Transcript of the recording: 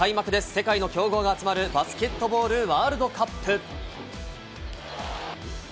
世界の強豪が集まるバスケットボールワールドカップ。